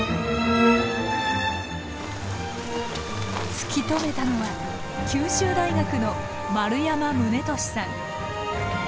突き止めたのは九州大学の丸山宗利さん。